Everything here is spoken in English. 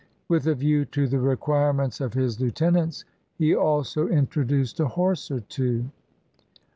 With a view to the requirements of his lieu tenants, he also introduced a horse or two.